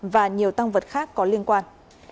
và nhiều tăng vật khác có liên quan